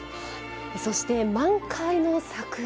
そして、満開の桜。